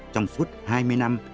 trong suốt hai mươi năm